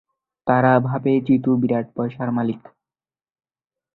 তারা ভাবে জিতু বিরাট পয়সার মালিক।